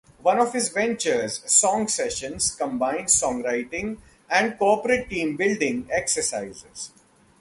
One of his ventures, "Song Sessions", combines songwriting and corporate team building exercises.